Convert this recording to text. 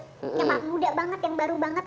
ini muda banget yang baru banget